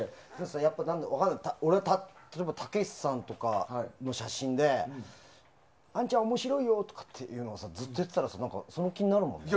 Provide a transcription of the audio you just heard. やっぱ、分かんないけど例えば俺がたけしさんとかの写真であんちゃん面白いよ！とかっていうのをずっとやってたらその気になるもんね。